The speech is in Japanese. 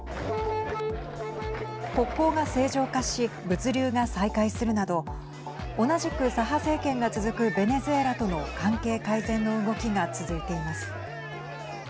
国交が正常化し物流が再開するなど同じく左派政権が続くベネズエラとの関係改善の動きが続いています。